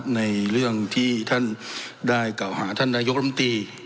ในเรื่องที่ท่านได้กล่าวหาท่านนายกรมตี